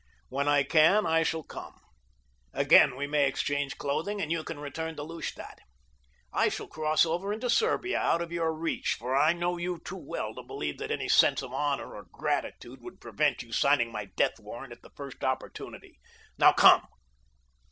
When I can, I shall come. Again we may exchange clothing and you can return to Lustadt. I shall cross over into Siberia out of your reach, for I know you too well to believe that any sense of honor or gratitude would prevent you signing my death warrant at the first opportunity. Now, come!"